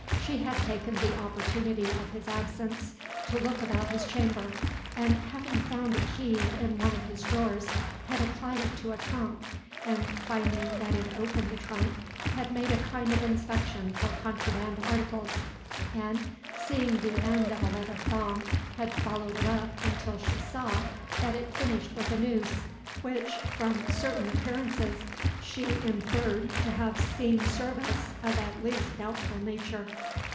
She had taken the opportunity of his absence to look about his chamber, and, having found a key in one of his drawers, had applied it to a trunk, and, finding that it opened the trunk, had made a kind of inspection for contraband articles, and, seeing the end of a leather thong, had followed it up until she saw that it finished with a noose, which, from certain appearances, she inferred to have seen service of at least doubtful nature.